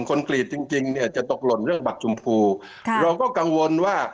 กรีตจริงจริงเนี่ยจะตกหล่นเรื่องบัตรชมพูค่ะเราก็กังวลว่า